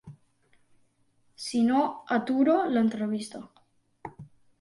Si no, aturo l’entrevista.